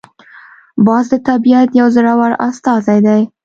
باز د طبیعت یو زړور استازی دی